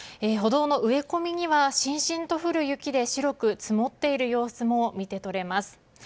歩道の植え込みにはしんしんと降る雪で白く積もっている様子も見て取れます。